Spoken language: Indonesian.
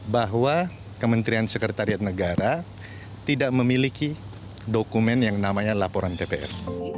bahwa kementerian sekretariat negara tidak memiliki dokumen yang namanya laporan tpf